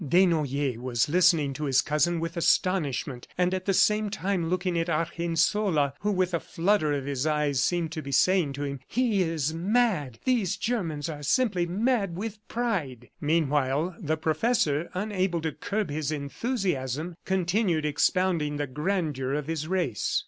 ... Desnoyers was listening to his cousin with astonishment and at the same time looking at Argensola who, with a flutter of his eyes, seemed to be saying to him, "He is mad! These Germans are simply mad with pride." Meanwhile, the professor, unable to curb his enthusiasm, continued expounding the grandeur of his race.